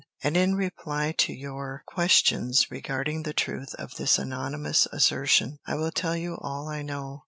And in reply to your questions regarding the truth of this anonymous assertion, I will tell you all I know.